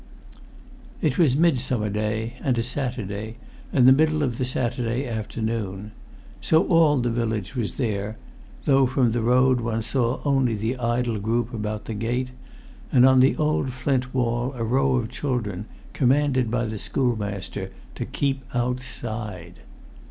It was Midsummer Day, and a Saturday, and the middle of the Saturday afternoon. So all the village was there, though from the road one saw only the idle group about the gate, and on the old flint wall a row of children commanded by the schoolmaster to "keep outside."